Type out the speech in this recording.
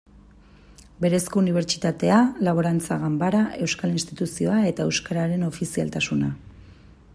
Berezko unibertsitatea, Laborantza Ganbara, Euskal Instituzioa eta euskararen ofizialtasuna.